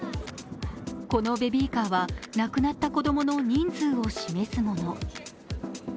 このベビーカーは亡くなった子供の人数を示すもの。